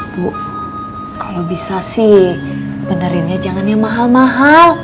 bu kalo bisa sih benerinnya jangan yang mahal mahal